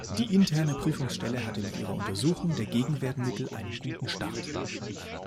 Die interne Prüfungsstelle hatte mit ihrer Untersuchung der Gegenwertmittel einen guten Start.